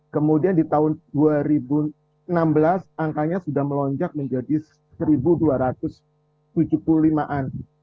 kemudian di tahun dua ribu enam belas angkanya sudah melonjak menjadi satu dua ratus tujuh puluh lima an